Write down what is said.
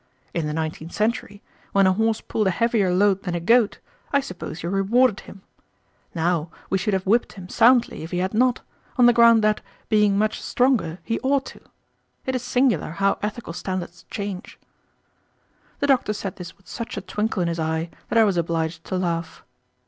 In the nineteenth century, when a horse pulled a heavier load than a goat, I suppose you rewarded him. Now, we should have whipped him soundly if he had not, on the ground that, being much stronger, he ought to. It is singular how ethical standards change." The doctor said this with such a twinkle in his eye that I was obliged to laugh.